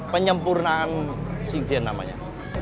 penyempurnaan sindian namanya